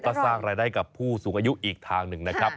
ก็สร้างรายได้กับผู้สูงอายุอีกทางหนึ่งนะครับ